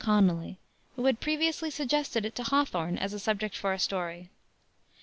Conolly, who had previously suggested it to Hawthorne as a subject for a story.